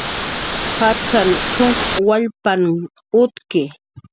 Pacxaq cxunk wallpanh utki